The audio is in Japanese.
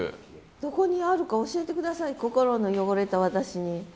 どこにあるか教えて下さい心の汚れた私に。